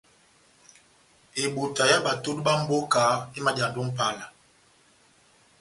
Ebota yá batodu bá mboka emadiyandi ó Mʼpala.